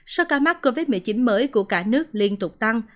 số ca mắc covid một mươi chín mới của cả nước liên tục tăng